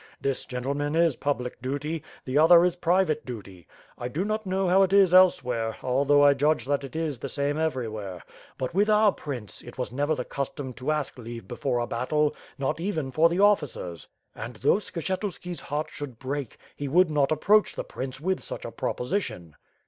This, gentlemen, is public duty, the other is private duty. I do not know how it is elsewhere, although I judge that it is the same everywhere. But, with our prince, it was never the cusiom ijo ask leave before a battle, not even for the officers. And, though Skshetueki's heart should break, he would not approach the prince with such a proposition."